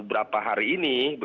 setelah hari ini